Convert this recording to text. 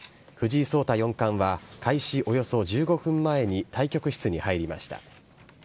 藤井聡太四冠は、開始およそ１５分前に対局室に入りました。